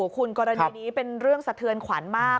คุณกรณีนี้เป็นเรื่องสะเทือนขวัญมาก